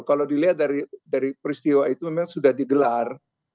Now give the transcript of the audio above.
kalau dilihat dari peristiwa itu memang sudah digelar